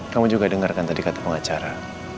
kamu juga dengarkan tadi kata pengacara